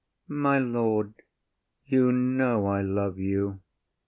IAGO. My lord, you know I love you.